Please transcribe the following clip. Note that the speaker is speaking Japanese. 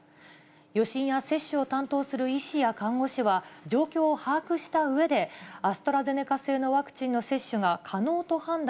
予診や接種を担当する医師や看護師は、状況を把握したうえで、アストラゼネカ製のワクチンの接種が可能と判断。